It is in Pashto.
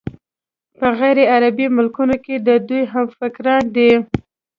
په غیرعربي ملکونو کې د دوی همفکران دي.